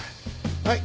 はい。